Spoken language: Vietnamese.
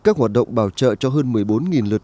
các hoạt động bảo trợ cho hơn một mươi bốn lượt